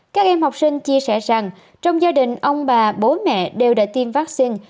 các em học sinh chia sẻ rằng trong gia đình ông bà bố mẹ đều đã tiêm vaccine